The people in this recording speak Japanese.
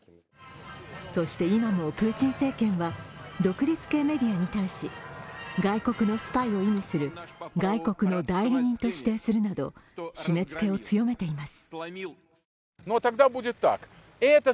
そして、今もプーチン政権は独立系メディアに対し外国のスパイを意味する外国の代理人と指定するなど締め付けを強めています。